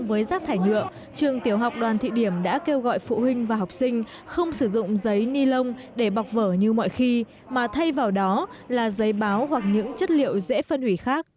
đối với rác thải nhựa trường tiểu học đoàn thị điểm đã kêu gọi phụ huynh và học sinh không sử dụng giấy ni lông để bọc vở như mọi khi mà thay vào đó là giấy báo hoặc những chất liệu dễ phân hủy khác